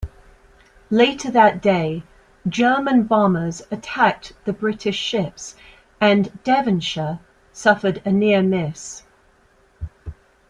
Later that day, German bombers attacked the British ships and "Devonshire" suffered a near-miss.